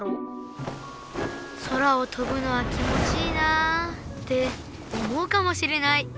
空をとぶのは気もちいいなあって思うかもしれない。